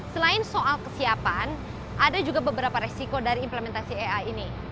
selain soal kesiapan ada juga beberapa resiko dari implementasi ai ini